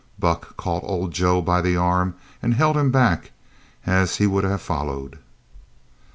Buck caught old Joe by the arm and held him back as he would have followed.